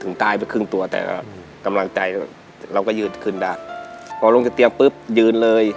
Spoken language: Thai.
ตายไปครึ่งตัวแต่กำลังใจเราก็ยืดขึ้นได้พอลงจากเตียงปุ๊บยืนเลย